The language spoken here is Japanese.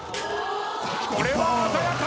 これは鮮やか！